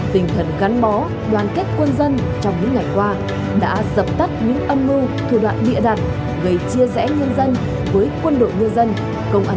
tình thần cắn mó đoàn kết quân dân trong những ngày qua đã sập tắt những âm mưu thủ đoạn địa đặt gây chia rẽ nhân dân với quân đội nhân dân công an nhân dân trong đại dịch